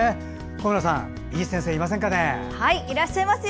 小村さん、いい先生いませんか？